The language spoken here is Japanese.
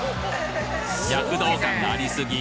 躍動感ありすぎ！